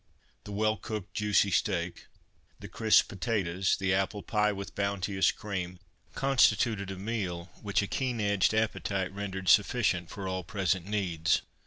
The well cooked, juicy steak, the crisp potatoes, the apple pie with bounteous cream, constituted a meal which a keen edged appetite rendered sufficient for all present needs.